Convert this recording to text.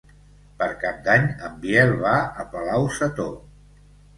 Per Cap d'Any en Biel va a Palau-sator.